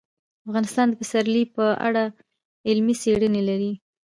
افغانستان د پسرلی په اړه علمي څېړنې لري.